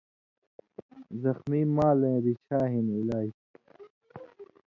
زخمی مالَیں رچھا ہِن علاج